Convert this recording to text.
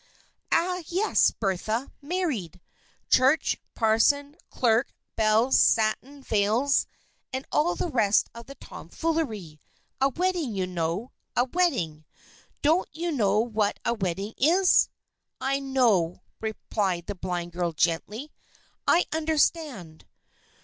Ah, yes, Bertha! Married! Church, parson, clerk, bells, satin, veils, and all the rest of the tomfoolery. A wedding, you know; a wedding. Don't you know what a wedding is?" "I know," replied the blind girl gently. "I understand."